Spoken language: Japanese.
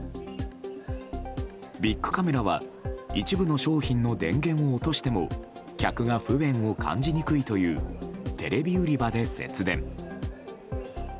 ビックカメラは一部の商品の電源を落としても客が不便を感じにくいというテレビ売り場で節電。